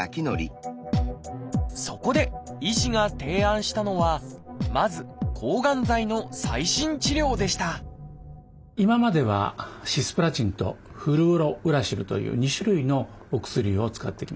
そこで医師が提案したのはまず今まではシスプラチンとフルオロウラシルという２種類のお薬を使ってきました。